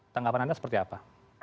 tanggapan anda seperti apa